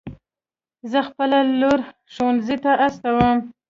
زه خپله لور ښوونځي ته استوم